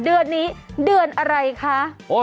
เดือนนี้เดือนอะไรคะ